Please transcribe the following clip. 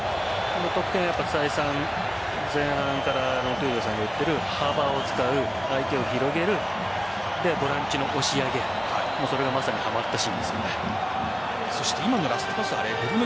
この得点、再三前半から闘莉王さんが言っている幅を使う相手を広げるボランチの押し上げそれがまさにはまったシーンですね。